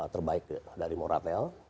terbaik dari moratel